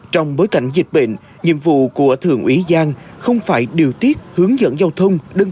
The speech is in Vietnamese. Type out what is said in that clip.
trong bối cảnh dịch bệnh nhiệm vụ của thượng úy giang không phải điều tiết hướng dẫn giao thông